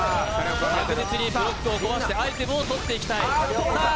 確実にブロックを壊してアイテムを取っていきたい。